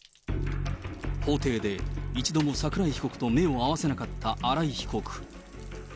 法廷で一度も桜井被告と目を合わせなかった新井被告。